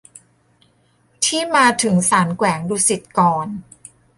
ที่มาถึงศาลแขวงดุสิตก่อน